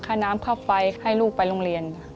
ค่าน้ำค่าไฟให้ลูกไปโรงเรียน